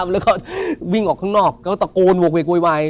แล้วก็วิ่งออกข้างนอกตะโกนวางเวี้ยว